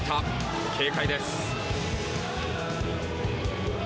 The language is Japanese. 軽快です。